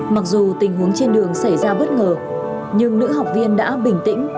mặc dù tình huống trên đường xảy ra bất ngờ nhưng nữ học viên đã bình tĩnh